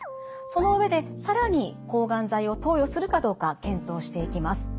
その上で更に抗がん剤を投与するかどうか検討していきます。